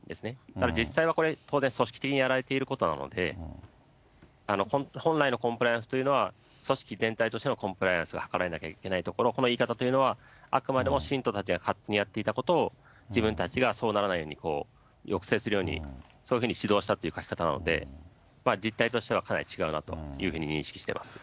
ただ実際は当然、組織的にやられていることなので、本来のコンプライアンスというのは、組織全体としてのコンプライアンスが図られなければいけないところを、この言い方はあくまでも信徒たちが勝手にやっていたことを、自分たちがそうならないように抑制するように、そういうふうに指導したという書き方なので、実態としてはかなり違うなというふうに認識してます。